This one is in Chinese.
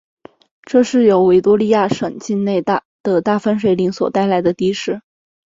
这是由在维多利亚省境内的大分水岭所带来的地势。